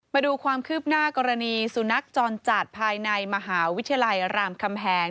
มาดูความคืบหน้ากรณีสุนัขจรจัดภายในมหาวิทยาลัยรามคำแหง